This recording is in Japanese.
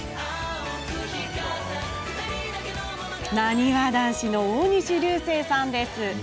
なにわ男子の大西流星さんです。